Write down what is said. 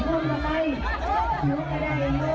รักษณะน้วกลงไปพวกน้วกจะได้เลยแล้ว